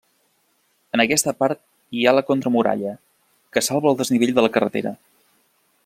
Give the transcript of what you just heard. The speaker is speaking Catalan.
En aquesta part hi ha la contramuralla, que salva el desnivell de la carretera.